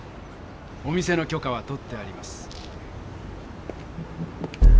お店のきょかは取ってあります。